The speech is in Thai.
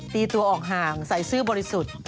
ตีตัวออกห่างใส่ซื่อบริสุทธิ์